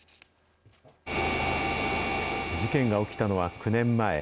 事件が起きたのは９年前。